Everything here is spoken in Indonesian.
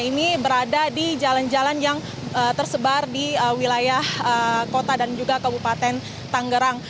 ini berada di jalan jalan yang tersebar di wilayah kota dan juga kabupaten tanggerang